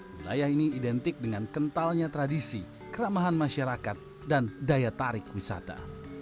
wilayah ini identik dengan kentalnya tradisi keramahan masyarakat dan daya tarik wisata